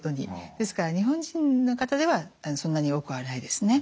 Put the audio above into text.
ですから日本人の方ではそんなに多くはないですね。